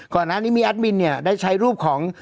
ก่อนหน้านี้มีแอดมินเนี่ยได้ใช้รูปของ